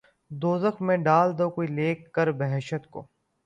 دوزخ میں ڈال دو‘ کوئی لے کر بہشت کو